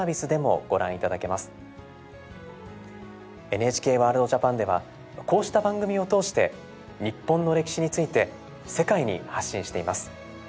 「ＮＨＫワールドＪＡＰＡＮ」ではこうした番組を通して日本の歴史について世界に発信しています。